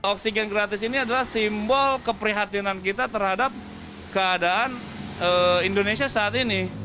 oksigen gratis ini adalah simbol keprihatinan kita terhadap keadaan indonesia saat ini